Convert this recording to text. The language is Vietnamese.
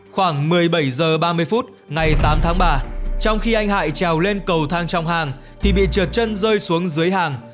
khoảng một mươi bảy h ba mươi phút ngày tám tháng ba trong khi anh hải trèo lên cầu thang trong hàng thì bị trượt chân rơi xuống dưới hàng